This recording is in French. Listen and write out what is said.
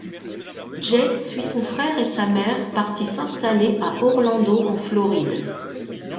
Jake suit son frère et sa mère, partis s’installer à Orlando en Floride.